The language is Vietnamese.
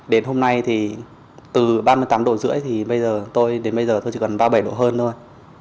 đến hôm nay thì từ ba mươi tám độ rưỡi thì đến bây giờ tôi chỉ cần ba mươi bảy độ hơn thôi